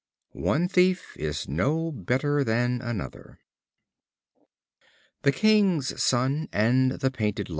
One thief is no better than another. The King's Son and the Painted Lion.